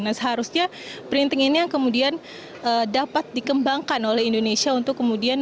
nah seharusnya printing ini yang kemudian dapat dikembangkan oleh indonesia untuk kemudian